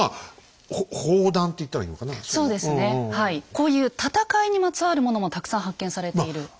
こういう戦いにまつわるものもたくさん発見されている。